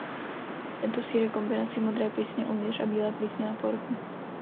Tento sýr je kombinací modré plísně uvnitř a bíle plísně na povrchu.